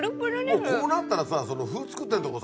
もうこうなったらさその麩作ってるとこさ。